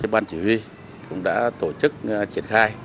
bàn chỉ huy cũng đã tổ chức triển khai